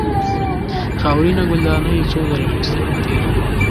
خاورینه ګلدانۍ یې څو ځله له سترګو تېره کړه.